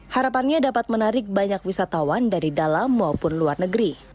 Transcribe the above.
harapannya dapat menarik banyak wisatawan dari dalam maupun luar negeri